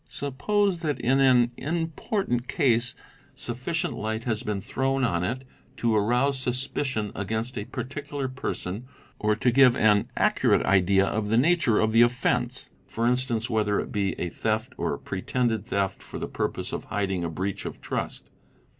Suppose that in an important case sufficient light has been thrown on it to arouse suspicion against a particular person or to give an accurate idea of the nature of the offence (for instance, whether it be a theft or a pretended theft for the purpose of hiding a breach of trust).